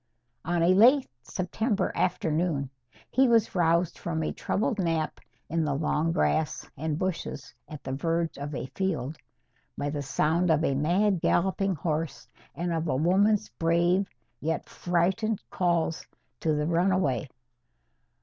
On a late September afternoon, he was roused from a troubled nap in the long grass and bushes at the verge of a field, by the sound of a mad galloping horse and of a woman's brave yet frightened calls to the runaway.